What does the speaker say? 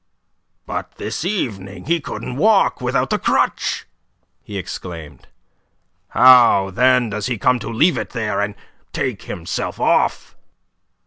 "But this evening he couldn't walk without the crutch!" he exclaimed. "How then does he come to leave it there and take himself off?"